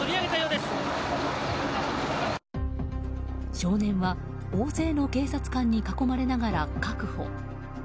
少年は大勢の警察官に囲まれながら確保。